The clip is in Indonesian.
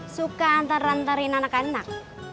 suka antar antarin anak anak